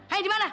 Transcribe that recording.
hai di mana